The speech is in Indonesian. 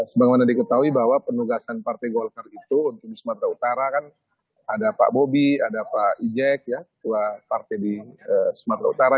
sebagaimana diketahui bahwa penugasan partai golkar itu untuk di sumatera utara kan ada pak bobi ada pak ijek tua partai di sumatera utara